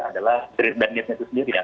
adalah drip dan neednya itu sendiri ya